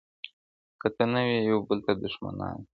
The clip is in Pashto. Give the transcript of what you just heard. که ته نه وې یوه بل ته دښمنان دي!